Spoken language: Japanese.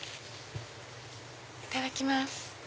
いただきます。